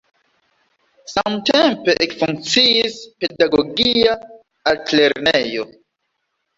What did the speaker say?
Samtempe ekfunkciis pedagogia altlernejo.